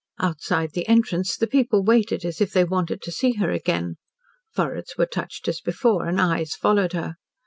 Outside the entrance the people waited as if they wanted to see her again. Foreheads were touched as before, and eyes followed her.